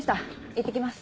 いってきます。